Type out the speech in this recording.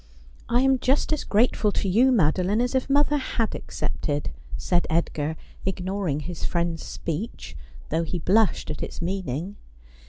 ' I am just as grateful to you, Madoline, as if mother had accepted,' said Edgar, ignoring his friend's speech, though he blushed at its meaning.